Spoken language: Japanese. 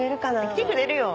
来てくれるよ。